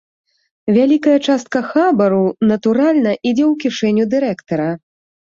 Вялікая частка хабару, натуральна, ідзе ў кішэню дырэктара.